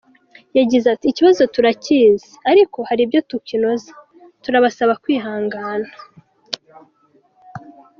Yagize ati" Ikibazo turakizi ariko hari ibyo tukinoza turabasaba kwihangana.